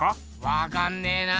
わかんねえな。